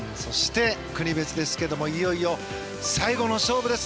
国別ですがいよいよ最後の勝負です。